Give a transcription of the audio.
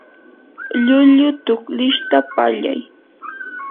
llullu tuklishta pallay.